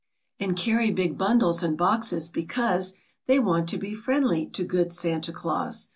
And carry big bundles and boxes, because They want to be friendly to good Santa Claus.